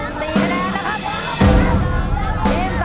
นับอยู่๒คะแนนนับอยู่๔คะแนนนะครับ